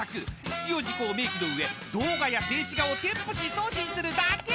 必要事項を明記の上動画や静止画を添付し送信するだけ！］